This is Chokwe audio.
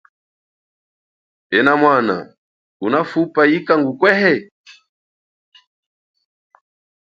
Enamwana, unafupa yika ngukwehe?